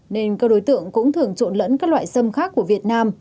nên các đối tượng cũng thường trộn lẫn các loại sâm khác của việt nam